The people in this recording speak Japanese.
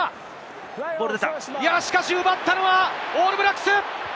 しかし奪ったのはオールブラックス！